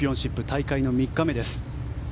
大会の３日目です。